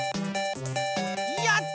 やった！